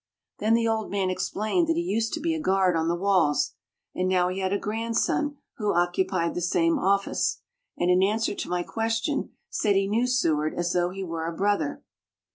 Then the old man explained that he used to be a guard on the walls, and now he had a grandson who occupied the same office, and in answer to my question said he knew Seward as though he were a brother.